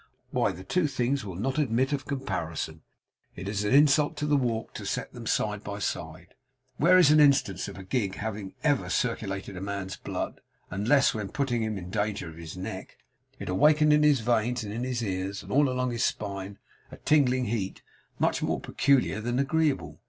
Why, the two things will not admit of comparison. It is an insult to the walk, to set them side by side. Where is an instance of a gig having ever circulated a man's blood, unless when, putting him in danger of his neck, it awakened in his veins and in his ears, and all along his spine, a tingling heat, much more peculiar than agreeable?